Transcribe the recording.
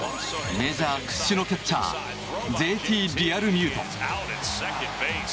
メジャー屈指のキャッチャーＪＴ・リアルミュート。